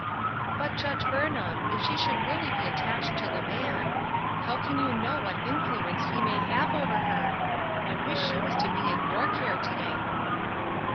" But, Judge Burnham, if she should really be attached to the man — how can you know what in fluence he may have over her ? I wish she was to be in your care to day."